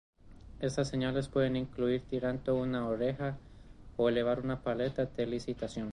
Estas señales pueden incluir tirando una oreja o elevar una paleta de licitación.